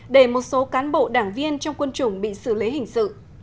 để một số cán bộ đảng viên trong quân chủng bị xử lý hình sự